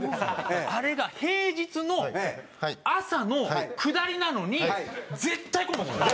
あれが平日の朝の下りなのに絶対混むんですよ。